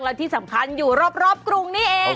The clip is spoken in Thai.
และที่สำคัญอยู่รอบกรุงนี่เอง